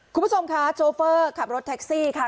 คุณผู้ชมคะโชเฟอร์ขับรถแท็กซี่ค่ะ